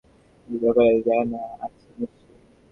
কুখ্যাতির ব্যাপারে জানা আছে নিশ্চয়ই?